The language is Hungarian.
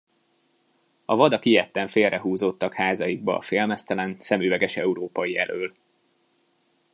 A vadak ijedten félrehúzódtak házaikba a félmeztelen, szemüveges európai elől.